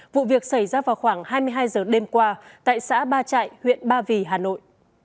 vụ việc xảy ra vào khoảng hai mươi hai h đêm qua tại xã ba trại huyện ba vì hà nội